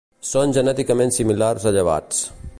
Són genèticament similars a llevats.